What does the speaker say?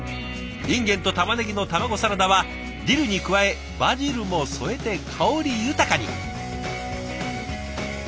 インゲンとたまねぎの卵サラダはディルに加えバジルも添えて香り豊かに。